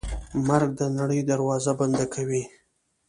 مرګ د نړۍ دروازه بنده کوي.